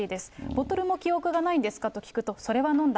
ボトルも記憶がないんですかと聞くと、それは飲んだ。